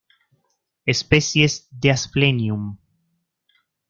Especies de Asplenium